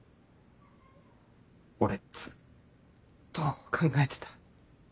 俺ずっと考えてた。